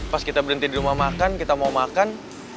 pas kita berhenti di rumah makan kita mau makan